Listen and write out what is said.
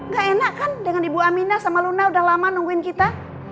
gak enak kan dengan ibu amina sama luna udah lama nungguin kita